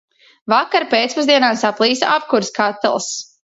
Vakar pēcpusdienā saplīsa apkures katls.